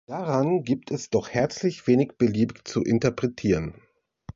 Daran gibt es doch herzlich wenig beliebig zu interpretieren!